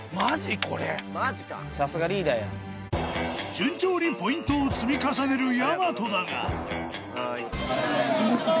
［順調にポイントを積み重ねるやまとだが］